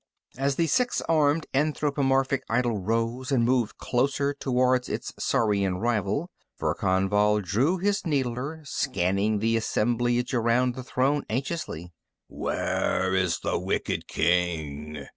As the six armed anthropomorphic idol rose and moved closer toward its saurian rival, Verkan Vall drew his needler, scanning the assemblage around the throne anxiously. "_Where is the wicked King?